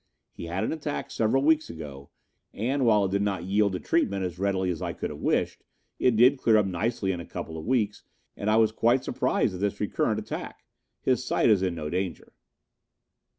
He had an attack several weeks ago and while it did not yield to treatment as readily as I could have wished, it did clear up nicely in a couple of weeks and I was quite surprised at this recurrent attack. His sight is in no danger."